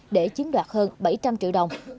để chiến đoạt hơn bảy trăm linh triệu đồng